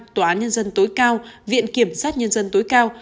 tòa án nhân dân tối cao viện kiểm sát nhân dân tối cao